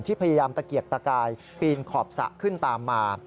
พยายามตะเกียกตะกายปีนขอบสระขึ้นตามมา